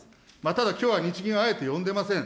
ただ、きょうは日銀はあえて呼んでません。